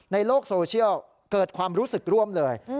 ในโลกโซเชียลเกิดความรู้สึกร่วมเลย